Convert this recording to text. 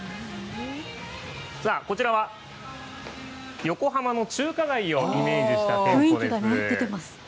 こちらは、横浜の中華街をイメージした店舗です。